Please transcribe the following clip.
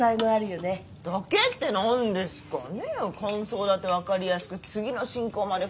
感想だって分かりやすく次の進行まで考えて。